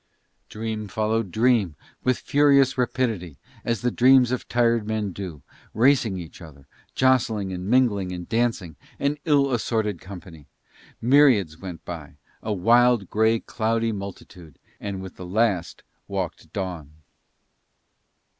Dream followed dream with furious rapidity, as the dreams of tired men do, racing each other, jostling and mingling and dancing, an ill assorted company: myriads went by, a wild, grey, cloudy multitude; and with the last walked dawn.